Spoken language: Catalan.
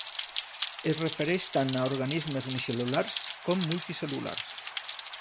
Es refereix tant a organismes unicel·lulars, com multicel·lulars.